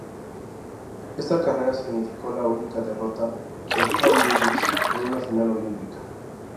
Esta carrera significó la única derrota de Carl Lewis en una final olímpica.